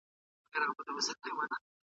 آيا ته غواړې چي نور هم پوه سې؟